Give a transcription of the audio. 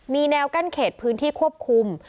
มีแนวกั้นเขตพื้นที่ควบคุม